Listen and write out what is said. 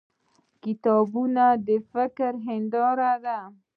• کتابونه د فکرونو هنداره ده.